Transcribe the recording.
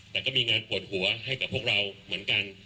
แต่ก็มีงานปวดหัวให้กับพวกเราเหมือนกัน